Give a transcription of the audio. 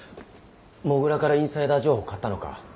土竜からインサイダー情報買ったのか？